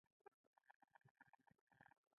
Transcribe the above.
د لغمان په الینګار کې د څه شي نښې دي؟